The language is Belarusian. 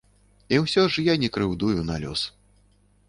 І ўсё ж я не крыўдую на лёс.